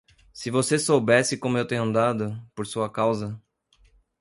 Se você soubesse como eu tenho andado, por sua causa.